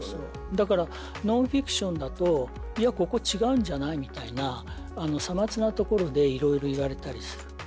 だからノンフィクションだといやここ違うんじゃない？みたいなさまつな所で色々言われたりする。